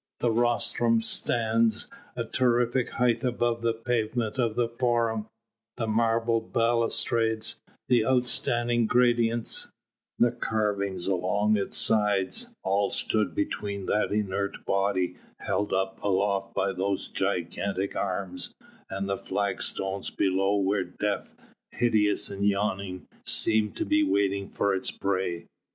The rostrum stands a terrific height above the pavement of the Forum; the marble balustrades, the outstanding gradients, the carvings along its sides, all stood between that inert body held up aloft by those gigantic arms and the flagstones below where Death, hideous and yawning, seemed to be waiting for its prey.